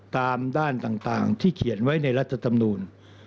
ตามด้านต่างที่เขียนไว้ในรัฐธรรมนูล